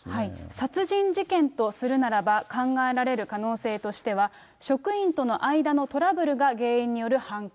殺人事件とするならば、考えられる可能性としては、職員との間のトラブルが原因による犯行。